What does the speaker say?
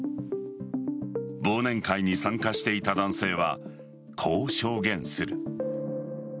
忘年会に参加していた男性はこう証言する。